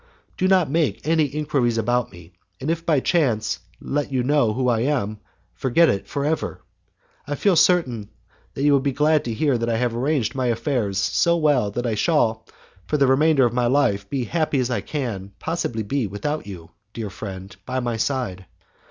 Do not make any enquiries about me, and if chance should let you know who I am, forget it for ever. I feel certain that you will be glad to hear that I have arranged my affairs so well that I shall, for the remainder of my life, be as happy as I can possibly be without you, dear friend, by my side.